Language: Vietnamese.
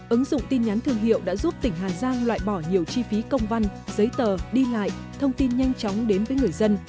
ứng dụng tin nhắn thương hiệu đã giúp tỉnh hà giang loại bỏ nhiều chi phí công văn giấy tờ đi lại thông tin nhanh chóng đến với người dân